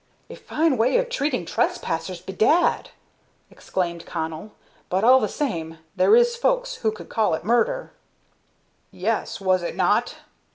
"A fine way of treating trespassers, bedad!" exclaimed Connell; "but all the same, there is folks who would call it murder." "Yes, was it not?